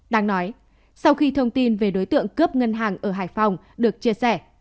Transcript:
đang nói sau khi thông tin về đối tượng cướp ngân hàng ở hải phòng được chia sẻ